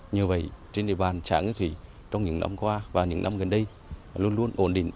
nhờ vậy trên địa bàn xã ngư thủy trong những năm qua và những năm gần đây luôn luôn ổn định